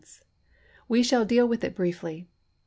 We shall deal with it briefly.